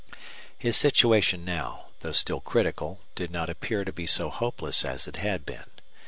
His situation now, though still critical, did not appear to be so hopeless as it had been.